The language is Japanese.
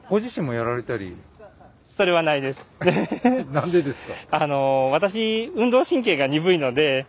何でですか？